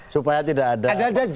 supaya tidak ada